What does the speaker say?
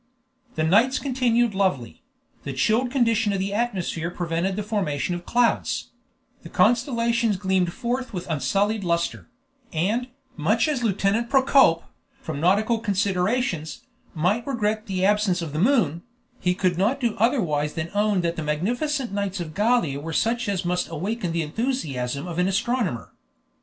The nights continued lovely; the chilled condition of the atmosphere prevented the formation of clouds; the constellations gleamed forth with unsullied luster; and, much as Lieutenant Procope, from nautical considerations, might regret the absence of the moon, he could not do otherwise than own that the magnificent nights of Gallia were such as must awaken the enthusiasm of an astronomer.